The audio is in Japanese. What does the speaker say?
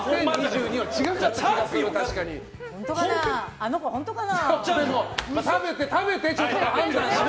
あの子、本当かな？